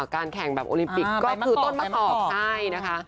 การแข่งแบบโอลิมปิกก็คือต้นมะกอก